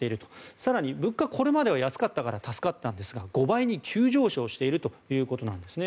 更に、物価、これまでは安かったから助かったんですが５倍に急上昇しているということなんですね。